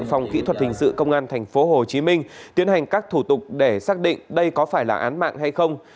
phòng kỹ thuật hình sự công an tp hcm tiến hành các thủ tục để xác định đây có phải là án mạng hay không